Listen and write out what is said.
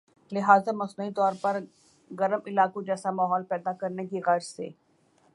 لہذا مصنوعی طور پر گرم علاقوں جیسا ماحول پیدا کرنے کی غرض سے